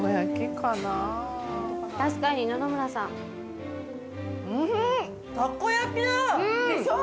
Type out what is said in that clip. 確かに野々村さんうん！でしょ